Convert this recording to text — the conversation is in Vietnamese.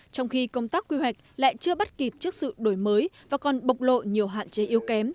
trong khi công tác quy hoạch lại chưa bắt kịp trước sự đổi mới và còn bộc lộ nhiều hạn chế yếu kém